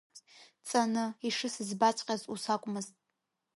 Ҵаны, ишысыӡбаҵәҟьаз ус акәмызт.